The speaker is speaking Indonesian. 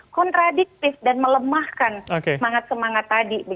kontradiktif dan melemahkan semangat semangat tadi